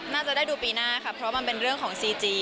น่าจะได้ดูปีหน้าค่ะเพราะมันเป็นเรื่องของซีจี